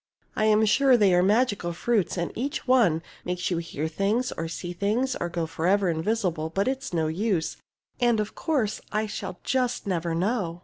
I am sure they are magical fruits, and each one Makes you hear things, or see things, or go Forever invisible; but it's no use, And of course I shall just never know.